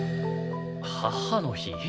母の日？